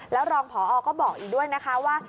แล้วรองพอก็บอกอีกด้วยนะคะว่า